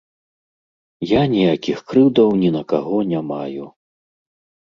Я ніякіх крыўдаў ні на каго не маю.